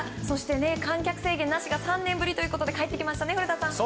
そして観客制限なしが３年ぶりということで帰ってきましたね。